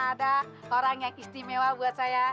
ada orang yang istimewa buat saya